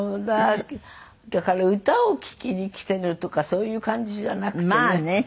だから歌を聴きに来てるとかそういう感じじゃなくてね。